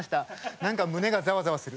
なんか、胸がざわざわする。